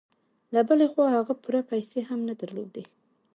له بلې خوا هغه پوره پيسې هم نه درلودې.